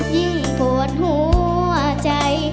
ยิ่งปวดหัวใจ